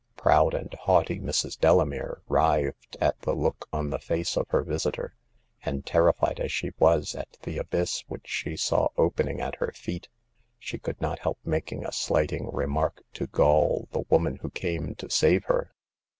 Proud and haughty Mrs. Delamere writhed at the look on the face of her visitor, and terrified as she was at the abyss which she saw opening at her feet, she could not help making a slighting remark to gall the woman who came to save her.